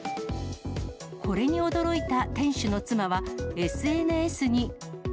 これに驚いた店主の妻は、ＳＮＳに。